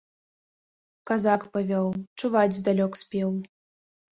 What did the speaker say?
Казак павёў, чуваць здалёк спеў.